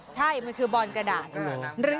ใช่มันคือบอนกระดาษ